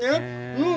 うん！